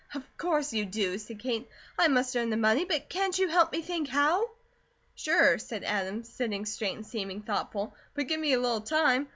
"Of course you do," said Kate. "I must earn the money, but can't you help me think how?" "Sure," said Adam, sitting straight and seeming thoughtful, "but give me a little time.